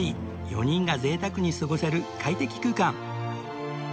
４人が贅沢に過ごせる快適空間